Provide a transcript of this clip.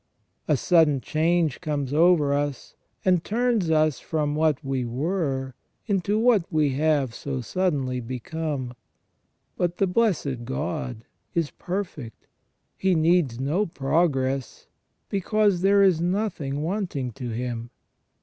A sudden change comes over us and turns us from what we were into what we have so suddenly become. But the blessed God is perfect He needs no progress, because there is nothing wanting to Him.